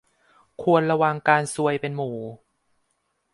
ควรระวังการซวยเป็นหมู่